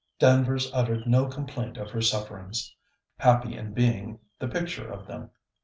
Danvers uttered no complaint of her sufferings; happy in being the picture of them.